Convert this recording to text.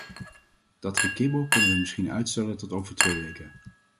Dat gekibbel kunnen we misschien uitstellen tot over twee weken.